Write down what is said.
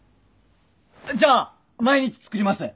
じゃあ毎日作ります。